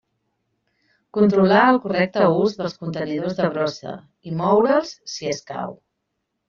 Controlar el correcte ús dels contenidors de brossa i moure'ls, si escau.